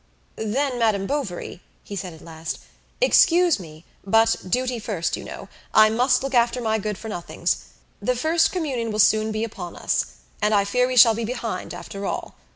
"Then, Madame Bovary," he said at last, "excuse me, but duty first, you know; I must look after my good for nothings. The first communion will soon be upon us, and I fear we shall be behind after all.